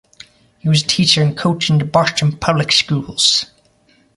He was a teacher and coach in the Boston public schools.